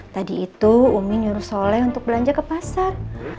tadi itu umi nyuruh soleh untuk belanja ke pasar